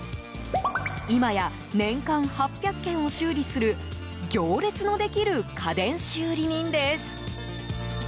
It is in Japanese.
今や、年間８００件を修理する行列のできる家電修理人です。